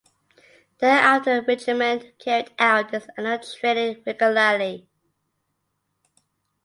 Thereafter the regiment carried out its annual training regularly.